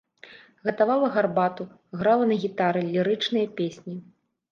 Гатавала гарбату, грала на гітары лірычныя песні.